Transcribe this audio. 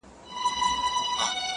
چوپ پاته وي,